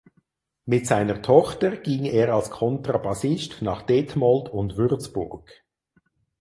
Mit seiner Tochter ging er als Kontrabassist nach Detmold und Würzburg.